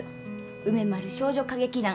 梅丸少女歌劇団